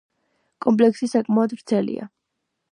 კომპლექსი საკმაოდ ვრცელია.